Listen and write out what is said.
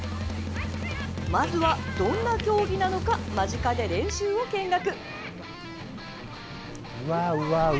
まずは、どんな競技なのか間近で練習を見学！